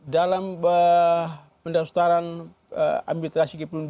dalam pendaftaran administrasi perundukan duk capil saya mengalahkan bang emil dari bandung